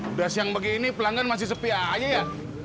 udah siang begini pelanggan masih sepi aja ya